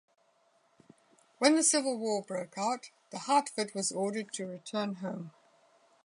When the Civil War broke out, the "Hartford" was ordered to return home.